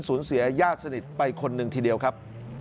สูญเสียญาติสนิทไปคนหนึ่งทีเดียวครับ